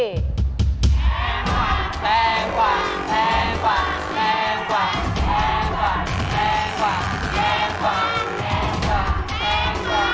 แพงกว่าแพงกว่าแพงกว่าแพงกว่าแพงกว่าแพงกว่าแพงกว่าแพงกว่าแพงกว่า